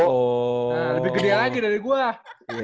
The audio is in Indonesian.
nah lebih gede lagi dari buah